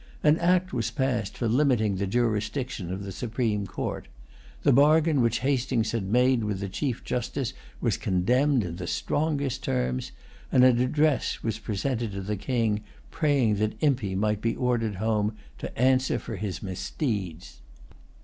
An act was passed for limiting the jurisdiction of the Supreme Court. The bargain which Hastings had made with the Chief Justice was condemned in the strongest terms; and an address was presented to the King, praying that Impey might be ordered home to answer for his misdeeds.